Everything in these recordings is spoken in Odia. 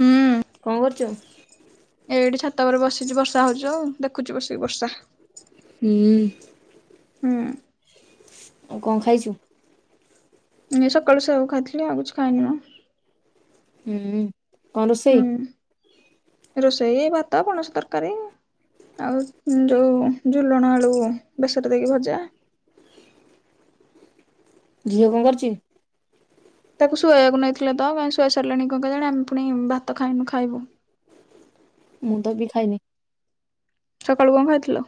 ହୁଁ, କଁ କରୁଛୁ? ଏଇଠି ଛାତ ଉପରେ ବସିଚଛି ବର୍ଷା ହଉଛି ଆଉ ଦେଖୁଛି ବସିକି ବର୍ଷା, ହୁଁ, ହୁଁ, ଆଉ କଁ ଖାଇଛୁ, ଏ ସକାଳୁ ସେ ଆଉ ଖଥିଲ ଆଉ କିଛି ଖାଇନି ନାଁ, ହୁଁ, କଣ ରୋଷେଇ? ହୁଁ ରୋଷେଇ ଭାତ ପଣସ ତରକାରୀ, ଆଉ ଯୋଉ ଝୁଲଣ ଆଳୁ ବେସର ଦେଇକି ଭଜା, ଝିଅ କଁ କରୁଛି, ତାକୁ ଶୋଇବାକୁ ନେଇଥିଲେ ତ କାଇ ଶୋଇ ସାରିଲାଣି କଁ କିଲ ଜାଣି ଆମେ ପୁଣି ଭାତ ଖାଇନୁ ଖାଇବୁ, ମୁଁ ତ ବି ଖାଇନି, ସକାଳୁ କଁ ଖାଥିଲ,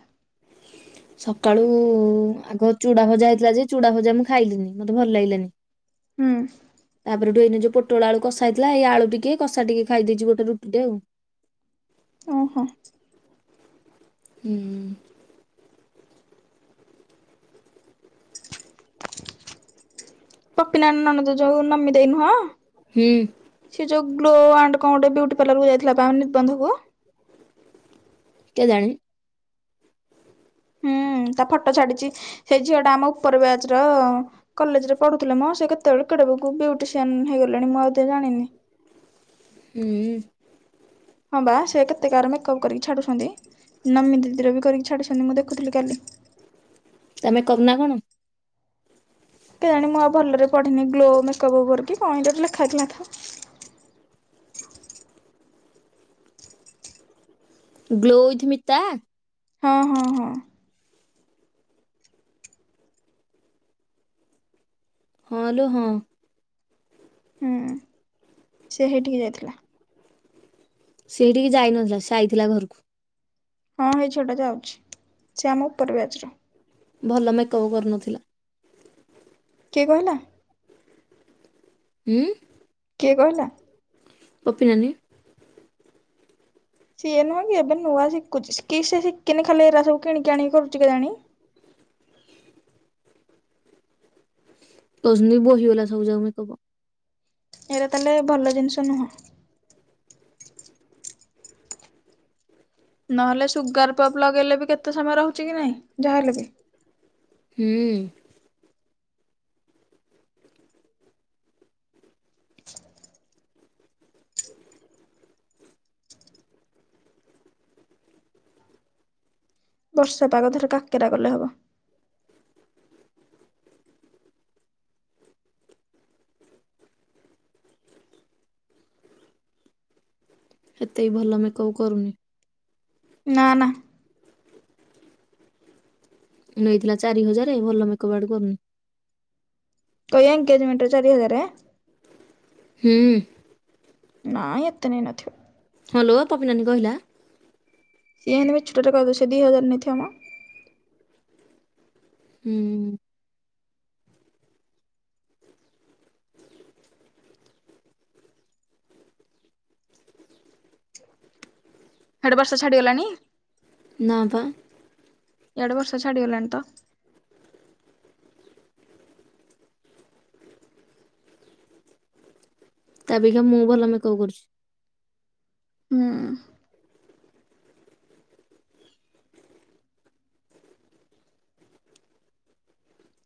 ସକାଳୁ ଆଗ ଚୁଡ଼ା ଭଜା ହେଇଥିଲା ଯେ ଚୁଡ଼ା ଭଜା ମୁଁ ଖାଇଲିନି ମତେ ଭଲ ଲାଗିଲାନି, ହୁଁ, ତାପରେଠୁ ଏଇ ଯୋ ପୋଟଳ ଆଳୁ କାଷି ହେଥିଲାଇ ଏଇ ଆଳୁ ଟିକେ କଷା ଟିକେ ଖାଇ ଦେଇଛି ଗୋଟେ ରୁଟି ଟେ ଆଉ, ଅଁ ହଁ, ହୁଁ, ପପୀ ନା ନଣ ତ ଯୋଉ ନମି ଦେଇନୁହଁ, ହୁଁ, ସେ ଯୋଉ ଗ୍ଲୋ ଆଣ୍ଡ କଣ ଗୋଟେ ବ୍ୟୁଟି ପଲ କୁ ଯାଇଥିଲା ତା ମାନେ ବନ୍ଧୁକ? କେ ଜାଣି, ହୁଁ ତା ଫଟୋ ଛାଡି଼ଛି ସେଇ ଝିଅ ଟା ଆମ ଉପର ବ୍ୟାଜ ର, କଲେଜ ରେ ପଢ଼ୁଥିଲେ ମୋ ସେ କେତେବେ [unintelligible] ବ ବୁଟିସିଆନ୍ ହେଇଗଲେଣି ମୁଁ ଆଉ ଏତେ ଜାଣିନି, ହୁଁ, ହଁ ବା ସେ କେତେ କା ମେକଅପ୍ କରିକି ଛାଡ଼ୁଛନ୍ତି ନମି ଦିଦିର ବି କରିକି ଛାଳିଛନ୍ତି ମୁଁ ଦେଖୁଥିଲି କାଲି, ତମେ କରୁନା କଣ? କେ ଜାଣି ମୁଁ ଆଉ ଭଲରେ ପଢ଼ିନି ଗ୍ଲୋ ମେକଅପ୍ ଉପରକି କଣ ହେଇଟାରେ ଲେଖାହେଇ ଥିଲାତ। Glow with Mita? ହଁ ହଁ ହଁ। ହଁ ଲୋ ହଁ। ହୁଁ ସେ ହେଇଠିକି ଯାଇଥିଲା। ସେ ହେଇଠିକେ ଯାଇ ନଥିଲା ସେ ଆଇଥିଲା ଘରକୁ। ହଁ ହେଇ ଛୁଅଟା ଯାଉଛି ସେ ଆମ ଉପର ବ୍ୟାଚର। ଭଲ ମେକଅପ୍ କରୁନଥିଲା। କିଏ କହିଲା? ହୁଁ। କିଏ କହିଲା? ତପୀନାନୀ। ସିଏ ନୁହଁ କି ଏବେ ନୂଆ ଶିଖୁଛି କି ସେ ଶିଖିନି ଖାଲି ଏରା ସବୁ କିଣିକି ଆଣିକି କରୁଛି କେଜାଣି? କହୁସନ୍ତି ବୋହିଗଲା ସବୁ ଜାକ ମେକପ। ହେରା ତାହେଲେ ଭଲ ଜିନିଷ ନୁହଁ। ନହେଲେ ସୁଗାର ପପ୍ ଲଗେଇଲେ ବି କେତେ ସମୟ ରହୁଛି କି ନାଇଁ ଯାହା ହେଲେ ବି। ହୁଁ। ବର୍ଷା ପାଗ ଏଥରେ କାକେରା କଲେ ହବ। ଏତେ ବି ଭଲ ମେକଅପ୍ କରୁନି। ନା ନା। ନେଇଥିଲା ଚାରି ହଜାର ଭଲ ମେକପ୍ ଆଡେ କରୁନି। ଏ ଏନଗେଜମେଣ୍ଟ ରେ ଚାରି ହଜାରେ? ହୁଁ। ନାଇଁ ଏତେ ନେଇନଥିବ। ହଁଲୋ ପପିିନାନୀ କହିଲା। ସିଏ ହେନ୍ତି ମିଛୁଟାରେ କହିବ ସେ ଦି ହଜାର ନେଇଥିବ ମ। ହୁଁ। ହାଡୁ ବର୍ଷା ଛାଡ଼ିଗଲାଣି? ନାଁପା। ଇଆଡ଼େ ବର୍ଷ ଛାଡିଗଲାଣି ତ। ତା ଅପେକ୍ଷା ମୁଁ ଭଲ ମେକପ କରୁଚି। ହୁଁ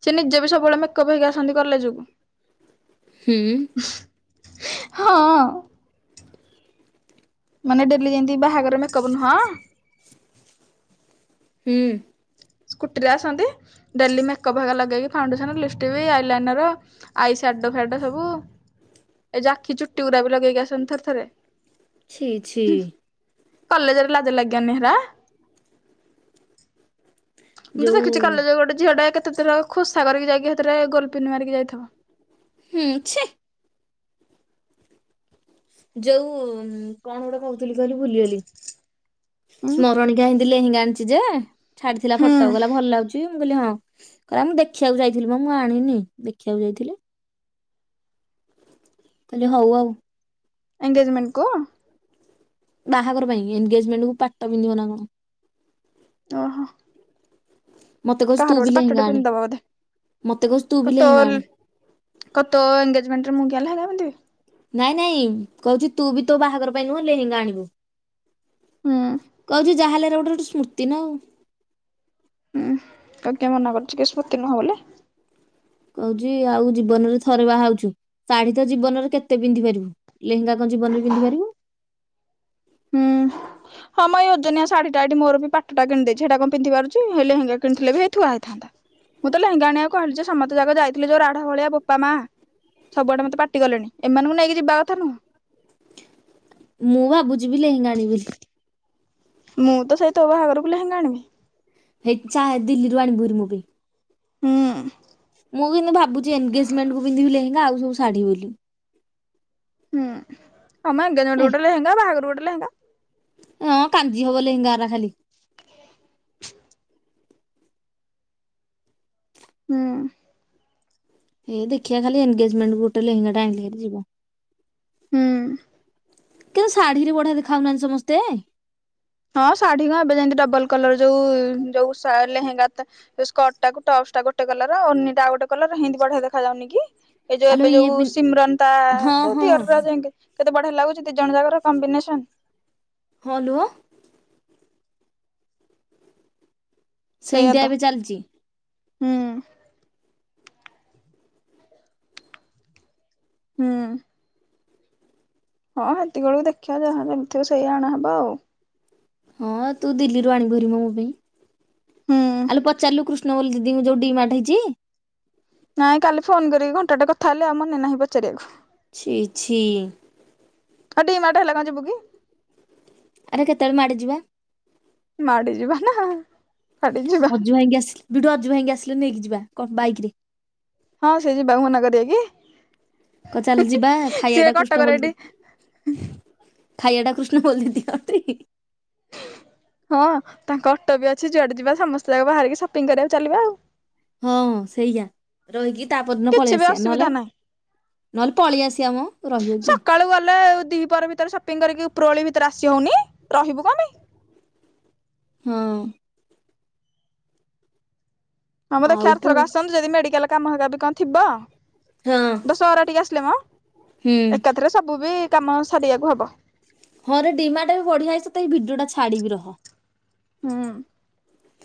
ସେ ନିଜେ ବି ସବୁବେଳେ ମେକଅପ୍ ହେଇକି ଆସନ୍ତି କଲେଜକୁ। ହୁଁ। ହଁ। ମାନେ ଡେଲି ଯେନ୍ତି ବାହାଘର ମେକଅପ୍ ନୁହଁ ହୁଁ। ସ୍କୁଟିରେ ଆସନ୍ତି ଡେଲି ମେକପ୍ ହେକା ଲଗେଇକି ଫାଉଣ୍ଡେସନ ଲିଷ୍ଟକି ଆଇଲାଇନର ଆଇ ସ୍ୟାଡୋ ଫ୍ୟାଡୋ ସବୁ ଏଇ ଯୋଉ ଆଖି ଚୁଟି ଗୁରାବି ଲଗେଇକି ଆସନ୍ତି ଥରେ ଥରେ। ଛି ଛି। କଲେଜରେ ଲାଜ ଲାଗିବନି ହେରା? ମୁଁ ତ ଯୋଉ ଦେଖୁଛି କଲେ ଗୋଟେ ଝିଅଟେ କେତେଥର ଖୋସା କରିକି ଯାଇକି ହେଥେରେ ଗୋଲପିନ ମାରିକି ଯାଇଥିବ। ହୁଁ ଛି। ଯୋଉ କଣ ଗୁଟେ କହୁଥିଲି କହିଲୁ ଭୁଲିଗଲି ଉଁ। ସ୍ମରଣିକା ହେ ଲେହେଙ୍ଗା ଆାଣିଛି ଯେ ଛାଡିଥିଲା ହୁଁ ଫଟ କହିଲା ଭଲ ଲାଗୁଛି ମୁଁ କହିଲି ହଁ କହିଲା ମୁଁ ଦେଖିବାକୁ ଯାଇଥିଲି ମ ମୁଁ ଆଣିନି ଦେଖିବାକୁ ଯାଇଥିଲି। ତାଲେ ହଉ ଆଉ। ଏଙ୍ଗେଜମେଣ୍ଟକୁ? ବାହାଘର ପାଇଁ ଏନଗେଜମେଣ୍ଟ କୁ ପାଟ ପିନ୍ଧିବ ନା କଣ। ଓହୋ। ମତେ କହୁଛି ତୁ କହାର ବି ଗୋପେ ଲେହେଙ୍ଗା ପାଟଟେ ଆଣେ ପିନ୍ଧି ଦବ ବୋଧେ ମତେ କହୁଛି ତୁ ବି କୁ ଲେହେଙ୍ଗା ତୋଲ ଆଣେ। କ ତୋ ଏଙ୍ଗଗେଜମେଣ୍ଟରେ ମୁଁ କିଆଁ ଲେହେଙ୍ଗା ପିନ୍ଧିବି? ନାଇଁ ନାଇଁ କହୁଚି ତୁ ବି ତୋ ବାହାଘର ପାଇଁ ନୁହଁ ଲେହେଙ୍ଗା ଆଣିବୁ। ହୁଁ କଉଚି ଯା ହେଲେ ଏରା ଗୋଟେ ରେ ଗୋଟେ ସ୍ମୃତି ନା ଆଉ। ଉଁ ତତେ କିଏ ମନା କରୁଚି କି ସ୍ମୃତି ନୁହଁ ବୋଲି? କହୁଚି ଆଉ ଜୀବନରେ ଥରେ ବାହା ହଉଚୁ ଶାଢ଼ୀ ତ ଜୀବନରେ କେତେ ପିନ୍ଧି ପାରିବୁ। ଲେହେଙ୍ଗା କଁ ଜୀବନରେ ପିନ୍ଧି ପାରିବୁ? ହୁଁ। ହଁ ମ ଏ ଓଜନିଆ ଶାଢୀଟା ଏଟି ମୋର ବି ପାଟଟା କିଣି ଦେଇଚି ହେଟା କଁ ପିନ୍ଧି ପାରୁଚି ହେ ଲେହେଙ୍ଗା କିଣିଥିଲେ ବି ହେଇ ଥୁଆ ହେଇଥାନ୍ତା। ମୁଁ ତ ଲେହେଙ୍ଗା ଆଣିଆ କହିଲି ଯେ ସମତେ ଯାକ ଯାଇଥିଲେ ଯୋଉ ରାଢ ଭଳିଆ ବୋପା ମା। ସବୁଆଡ଼େ ମତେ ପାଟି କଲେଣି ଏମାନୁଙ୍କୁ ନେଇକି ଯିବା କଥା ନୁହଁ। ମୁଁ ଭାବୁଚି ବି ଲେହେଙ୍ଗା ଆଣିବି ବୋଲି। ମୁଁ ତ ସେଇ ତୋ ବାହାଘରକୁ ଲେହେଙ୍ଗା ଆଣିବି। ହେଇ ଚା ଦିଲ୍ଲୀରୁ ଆଣିବୁ ହେରି ମୋ ପାଇଁ। ହୁଁ। ମୁଁ କିନ୍ତିୁ ଭାବୁଚି ଏନଗେଜମେଣ୍ଟକୁ ପିନ୍ଧିବି ଲେହେଙ୍ଗା ଆଉ ସବୁ ଶାଢୀ ବୋଲି। ହୁଁ ହଁ ମ ଏନଗେଜମେଣ୍ଟ ଏ ଗୋଟେ ଲେହେଙ୍ଗା ବାହାଘର ଗୋଟେ ଲେହେଙ୍ଗା। ଅଁ କାଞ୍ଜି ହବ ଲହେଙ୍ଗାରା ଖାଲି। ହୁଁ। ଏ ଦେଖିଆ ଖାଲି ଏନଗେଜମେଣ୍ଟକୁ ଗୋଟେ ଲେହେଙ୍ଗାଟେ ଆଇଁଲେ ହେରି ଯିବ। ହୁଁ। କିନ୍ତୁ ଶାଢ଼ୀରେ ବଢ଼ିଆ ଦେଖାହଉନାହାନ୍ତି ସମସ୍ତେ? ହଁ ଶାଢୀ କଁ ଏବେ ଯେନ୍ତି ଡବଲ କଲର ଯୋଉ ଯୋଉ ସା ଲେହେଙ୍ଗା ତା ଏ ସ୍କଟଟାକୁ ଟପସଟା ଗୋଟେ କଲର ଓନିଟା ଆଉ ଗୋଟେ କଲର ହେନ୍ତି ବଢ଼ିଆ ଦେଖାଯାଉନି କି? ଏ ଯୋଉ ଆଲୋ ଏବେ ଇଏ ଯୋଉ ପିନ୍ ସିମରନ୍ ତା ହଁ ଯୋଉ ହଁ ଦିଅରର ଯେଙ୍ଗେ କେତେ ବଢିଆ ଲାଗୁଚି ଦିଜଣ ଯାକର କମ୍ବିନେସନ୍। ହଁ ଲୋ। ସେଇଆ ସେଇନ୍ତିଆ ତ ଏବେ ଚାଲଚି। ହୁଁ। ହୁଁ। ହଁ ହେତିକି ବେଳୁ ଦେଖିଆ ଯାହା ଯେମି ଥିବ ସେଇଆ ଆଣା ହବ ଆଉ। ହଁ ତୁ ଦିଲ୍ଲୀରୁ ଆଣିବୁ ହାରି ମ ମୋ ପାଇଁ ହୁଁ। ଆଲୋ ପଚାରଲୁ କୃ ନ ଓଲି ଦିଦିଙ୍କୁ ଯୋଉ ଡିମାଟ୍ ହେଇଚି। ନାଇଁ କାଲି ଫୋନ୍ କରିକି ଘଣ୍ଟାଟେ କଥା ହେଲେ ଆଉ ମନେ ନାହିଁ ପଚାରିଆକୁ। ଛି ଛି। ହଁ ଡିମାଟ୍ ହେଲା କଁ ଯିବୁ କି? ଆରେ କେତଳେ ମାଡ଼ିଯିବା। ମାଡିଯିବା ନାଁ ଅଜୁ ଭାଇଙ୍କି ଆସିଲି ବିଡ଼ୁ ଅଜୁ ଭାଇଙ୍କି ଆସିଲେ ନେଇକି ଯିବା କ ବାଇକରେ। ହଁ ସେ ଯିବାକୁ ମନା କରିବେ କି? କ ଚାଲ ଯିବା ସିଏ ଖାଇବାଟା କୃଷ୍ଣ କଟକରେ ଏଠି ବୋଲଦୁ ଖାଇବା ଟା କୃଷ୍ଣ ବୋଲି ଦିଅନ୍ତି। ହଁ ତାଙ୍କ ଅଟୋ ବି ଅଛି ଯୁଆଡେ ଯିବା ସମସ୍ତେ ଯାକ ବାହାରିକି ସପିଙ୍ଗ କରିବାକୁ ଚାଲିବା ଆଉ। ହଁ ସେଇଆ ରହିକି ତା ପରଦିନ କିଛି ପଳେଇ ବି ଆସିବା ନହେଲେ। ଅସୁବିଧା ନାହିଁ। ନହେଲେ ପଳେଇ ଆସିବା ମ ରହିବ କିଏ। ତୋର ସପିଙ୍ଗି କରିକି ଉପର ବେଳି ଭିତରେ ଆସି ହଉନି ରହିବୁ କଁ ପାଇଁ। ହଁ। ହଁ ମ ଦେଖବା ଆଉ ଆର ପୁ ଥରକ ଆସନ୍ତୁ ଯଦି ମେଡିକାଲ୍ କାମ ହେବା ବି କଁ ଥିବ। ହଁ ଦଶହରା ଟିକି ଆସିଲେ ମ ହୁଁ ଏକାଥରେ ସବୁ ବି କାମ ସାରିବାକୁ ହବ। ହଁ ରେ ଡି ମାଟ୍ ବି ବଢିଆ ହେଇଛି ତତେ ଏଇ ଭିଡିଓ ଟା ଛାଡିବି ରହ। ହୁଁ।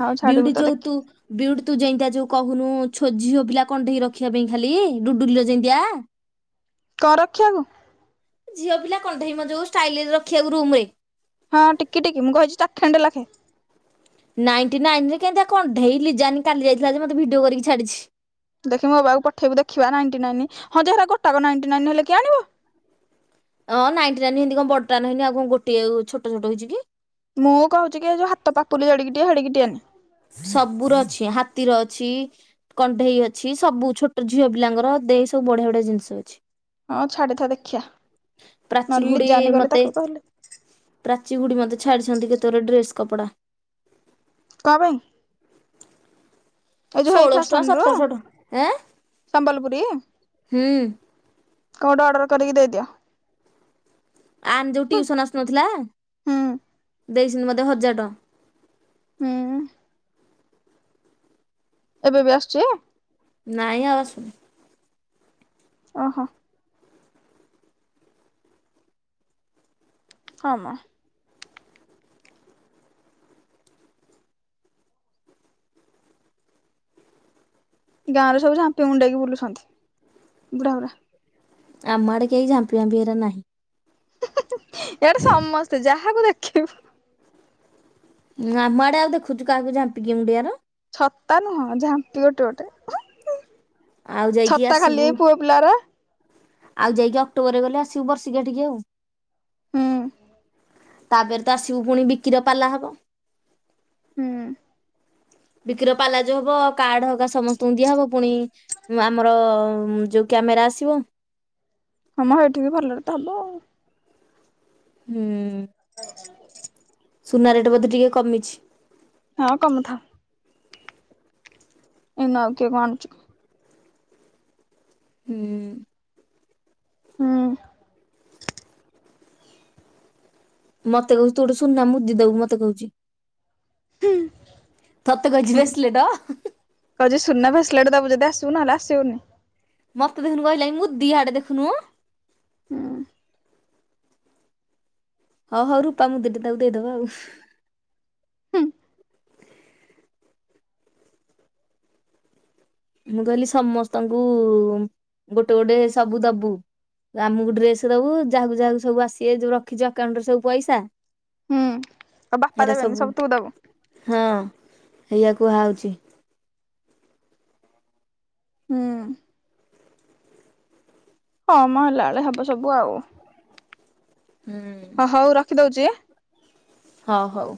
ଆଉ ଛାଡିବୁ ବିଉଡି ତ ଯୋଉ ଦେଖି ତୁ। ବିଉଟୀ ତୁ ଯେନ୍ତିଆ ଯୋଉ କହୁନୁ ଛୁ ଝିଅପିଲା କଣ୍ଢେଇ ରଖିବା ପାଇଁ ଖାଲି ଡୁଡୁଲି ର ଯେନ୍ତିତିଆ। କଁ ରଖିବାକୁ। ଝିଅ ପିଲା କଣ୍ଡେଇ ମ ଯୋଉ ଷ୍ଟାଇଲ୍ ରେ ରଖିବାକୁ ରୁମ ରେ। ହଁ ଟିକି-ଟିକି ମୁଁ କହିଛି ଚାଖେଣ୍ଡେ ଲେଖେ। ନାଇଣ୍ଟି ନାଇନ୍ ରେ କେନ୍ତିଆ କଣ୍ଢେଇ ଲିଜାନି କାଲି ଯାଇଥିଲା ଯେ ମତେ ଭିଡିଓ କରିକି ଛାଡିଛି। ଦେଖି ମୋ ପାଖକୁ ପଠେଇବୁ ଦେଖିବା ନାଇଣ୍ଟି ନାଇନ୍ ହଁ ଯେ ହେରା ଗୋଟାକ ନାଇଣ୍ଟି ନାଇନ୍ ହେଲେ କିଏ ଆଣିବ। ହଁ ନାଇଣ୍ଟି ନାଇନ୍ ହେନ୍ତି କଁ ବଡ ଟା ନୁହେନି ଆଉ କଣ ଗୋଟେ ଛୋଟ ଛୋଟ ହେଇଛି କି। ମୁଁ କହୁଛି କି ଏ ଯୋଉ ହାତ ପାପୁଲି ଜେଡିକି ଟିକେ ହେଡିକି ଟିଏ ନେ। ସବୁ ର ଅଛି ହାତୀର ଅଛି। କଣ୍ଡେଇ ଅଛି ସବୁ ଛୋଟ ଝିଅ ପିଲାଙ୍କର ଦେଖ ସବୁ ବଢିଆ-ବଢିଆ ଜିନିଷ ଅଛି। ହଁ ଛାଡିଥା ଦେଖିିବା ପ୍ରାଚୀ ନହେଲେ ଜାନି ଗଲେ ତାକୁ କହିଲେ। ପ୍ରାଚି ଗୁଡ଼ି ମତେ ଛାଡ଼ିଛନ୍ତି କେତେ ଗୁରା ଡ୍ରେସ କପଡ଼ା। କଁ ପାଇଁ। ଏଇ ଯୋଉ ହେଇ ଷୋଳଶ ଟଙ୍କା ଫ୍ୟାସନରୁୁ ସତରଶ ଟଙ୍କା ଏଁ ସମ୍ବଲପୁରୀ? ହୁଁ। କହ ଗୋଟେ ଅଡ଼ର୍ କରିକି ଦେଇଦିଅ। ଆୟାନ୍ ଯୋଉ ହୁଁ ଟିଉସନ୍ ଆସୁ ନଥିଲା ହୁଁ ଦେଇଛନ୍ତି ମତେ ହଜାର ଟଙ୍କା। ହୁଁ। ଏବେ ବି ଆସୁଚି? ନାଇଁ ଆଉ ଆସୁନି। ଓହୋ। ହଁ ମ। ଗାଁ ରେ ସବୁ ଝାଣ୍ଟିଆ ମୁଣ୍ଡେଇକି ବୁଲୁଛନ୍ତି ବୁଢା ଗୁରା। ଆମ ଆଡେ କେହି ଝାମ୍ପି ଫାମ୍ପି ଏରା ନାହିଁ। ଇଆଡେ ସମସ୍ତେ ଯାହାକୁ ଦେଖିବୁ। ଉଁ ଆମ ଆଡେ ଆଉ ଦେଖୁଛୁ କାହାକୁ ଯାମ୍ପି କିଏ ମୁଣ୍ଡେଇବାର। ଛତା ନୁହଁ ଝାମ୍ପି ଗୋଟେ ଗୋଟେ। ଆଉ ଯାଇକି ଛତା ଖାଲି ଆସିବୁ ଏଇ ପୁଅ ପିଲା ଗୁର। ଆଉ ଯାଇକି ଅକ୍ଟୋବର ରେ ବେଲେ ଆସିବୁ ବର୍ଷି କିଆ ଟିକି ଆଉ। ହୁଁ। ତାପରେ ତ ଆସିବୁ ପୁଣି ବିକି ର ପାଲା ହବ। ହୁଁ। ବିକି ପାଲା ଯୋଉ ହବ କାର୍ଡ ହକା ସମସ୍ତଙ୍କୁ ଦିଆହବ ପୁଣି। ଉଁ ଆମର ଯୋଉ କ୍ୟାମେରା ଆସିବ। ହଁ ମ ହେଠିକି ଭଲରେ ତ ହବ ଆଉ। ହୁଁ। ହ ହ ସୁନା ରେଟେ ବଧେ ଟିକେ କମିଛି। ହଁ କମୁଥାଉ ଏଇନୁ ଆଉ କିଏ କଁ ଆଣୁଚି ହୁଁ। ହୁଁ। ମତେ କହୁଚି ତୁ ଗୋଟେ ସୁନା ମୁଦି ଦବୁ ମତେ କହୁଚି। ତତେ କହିଚି ବ୍ରେସଲେଟ। କହୁଜି ସୁନା ବ୍ରେସଲେଟ ଦବୁ ଯଦି ଆସିବୁ ନହଲେ ଆସିବୁନି। ମତ ଦେଖୁନୁ କହିଲାଣି ମୁଦି ହିଆଡେ ଦେଖୁନୁ। ହୁଁ ହଉ ହଉ ରୂପା ମୁଦି ଟେ ତାକୁ ଦେଇଦବା ଆଉ। ହୁଁ ମୁଁ କହିଲି ସମସ୍ତଙ୍କୁ ଗୋଟେ ଗୋଟେ ସବୁ ଦବୁ ଆମକୁ ଡ୍ରେସ ଦବୁ ଯାହାକୁ ଯାହାକୁ ସବୁ ଆସିବେ ଯଉ ରଖିଚୁ ଆକାଉଣ୍ଟରେ ସବୁ ପଇସା ହୁଁ ଆଉ ବାପା ହେରା ଦେବେନି ସବୁ ତୁ ଦବୁ ହଁ ଏଇଆ କୁହା ହଉଛି। ହୁଁ। ହଁ ମ ହେଲା ବେଳେ ହବ ସବୁ ଆଉ। ହୁଁ। ହ ହଉ ରଖିଦଉଛି। ହଁ ହଉ।